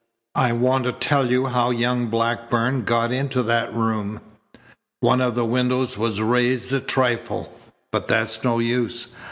I want to tell how young Blackburn got into that room. One of the windows was raised a trifle, but that's no use.